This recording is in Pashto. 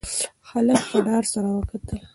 هلک په ډار سره وکتل.